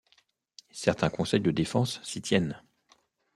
Certains Conseils de défense s'y tiennent.